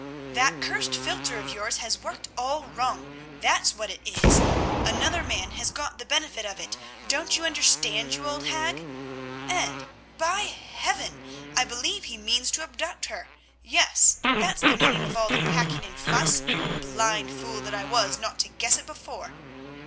"That cursed philtre of yours has worked all wrong, that's what it is. Another man has got the benefit of it, don't you understand, you old hag? And, by Heaven! I believe he means to abduct her, yes, that's the meaning of all the packing and fuss, blind fool that I was not to guess it before.